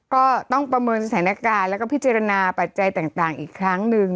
ก็ต้องประเมินสถานการณ์แล้วก็พิจารณาปัจจัยต่างอีกครั้งหนึ่ง